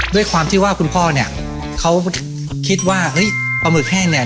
ด้วยความที่ว่าคุณพ่อเนี่ยเขาคิดว่าเฮ้ยปลาหมึกแห้งเนี่ย